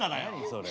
それ。